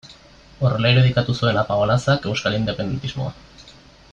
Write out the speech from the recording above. Horrela irudikatu zuen Apaolazak euskal independentismoa.